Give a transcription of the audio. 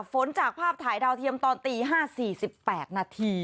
จากภาพถ่ายดาวเทียมตอนตี๕๔๘นาที